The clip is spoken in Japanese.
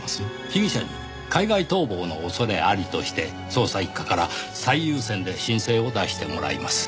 被疑者に海外逃亡の恐れありとして捜査一課から最優先で申請を出してもらいます。